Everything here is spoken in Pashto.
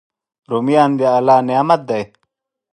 رومیان د الله نعمت دی